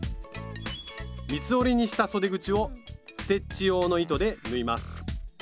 三つ折りにしたそで口をステッチ用の糸で縫います。